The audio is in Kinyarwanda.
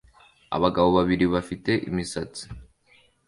Abagabo babiri bafite imisatsi